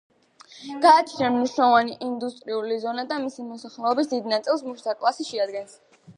გააჩნია მნიშვნელოვანი ინდუსტრიული ზონა და მისი მოსახლეობის დიდ ნაწილს მუშათა კლასი შეადგენს.